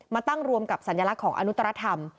มาตั้งรวมกับสัญลักษณ์ของอนุตรธรรม